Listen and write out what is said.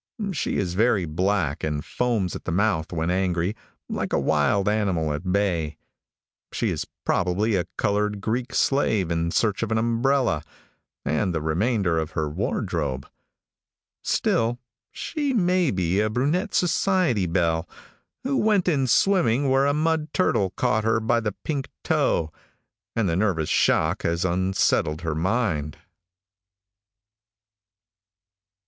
She is very black, and foams at the mouth when angry, like a wild animal at bay. She is probably a colored Greek slave in search of an umbrella and the remainder of her wardrobe. Still, she may be a brunette society belle, who went in swimming where a mud turtle caught her by the pink toe, and the nervous shock has unsettled her mind.